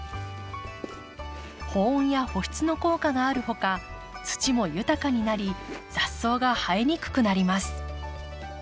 保温や保湿の効果があるほか土も豊かになり雑草が生えにくくなります。